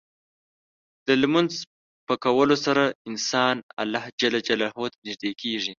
د لمونځ په کولو سره انسان الله ته نږدې کېږي.